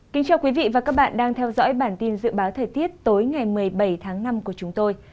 chào mừng quý vị đến với bản tin dự báo thời tiết tối ngày một mươi bảy tháng năm của chúng tôi